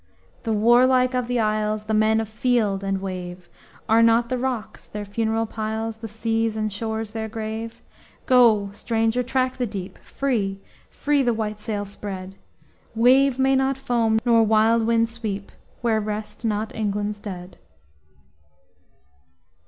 The warlike of the isles, The men of field and wave! Are not the rocks their funeral piles, The seas and shores their grave? Go, stranger! track the deep Free, free the white sail spread! Wave may not foam, nor wild wind sweep, Where rest not England's dead.